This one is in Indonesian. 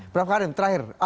prof karim terakhir